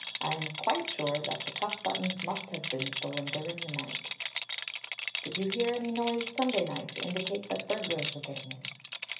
I am quite sure that the cuff buttons must have been stolen during the night." "Did you hear any noise Sunday night to indicate that burglars were getting in?"